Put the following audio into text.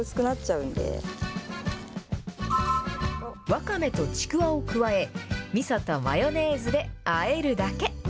ワカメとちくわを加え、みそとマヨネーズであえるだけ。